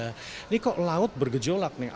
ini kok laut bergejolak nih